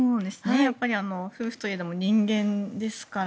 やっぱり夫婦といえども人間ですから。